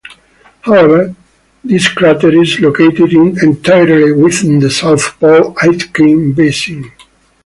However this crater is located entirely within the South Pole-Aitken basin.